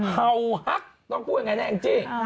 เห่าฮักต้องพูดยังไงนะแองจี้